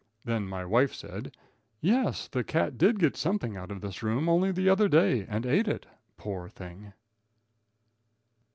Then my wife said: "Yes, the cat did get something out of this room only the other day and ate it. Poor thing!"